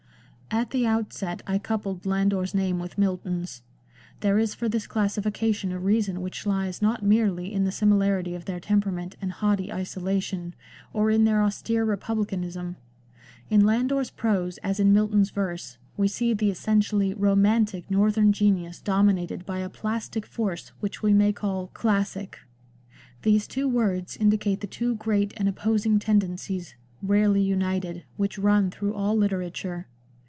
At the outset I coupled Landor's name with Milton's. There is for this classification a reason which lies not merely in the similarity of their temperament and haughty isolation, or in their austere republicanism. In Landor's prose, as in Milton's verse, we see the essentially ro7nantic northern genius dominated by a plastic force which we may call classic. These two words indicate the two great and opposing tendencies, rarely united, which run through all literature.